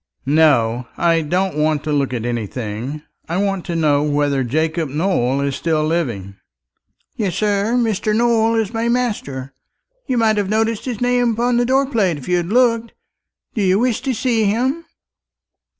"No, I don't want to look at anything. I want to know whether Jacob Nowell is still living?" "Yes, sir. Mr. Nowell is my master. You might have noticed his name upon the door plate if you had looked! Do you wish to see him?"